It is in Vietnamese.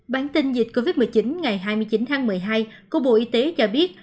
bản tin dịch covid một mươi chín ngày hai mươi chín tháng một mươi hai của bộ y tế cho biết